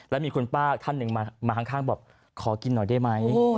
แล้วมีคุณป้าท่านหนึ่งมาข้างบอกขอกินหน่อยได้ไหม